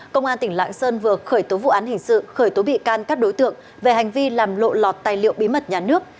công an tỉnh lạng sơn vừa khởi tố vụ án hình sự khởi tố bị can các đối tượng về hành vi làm lộ lọt tài liệu bí mật nhà nước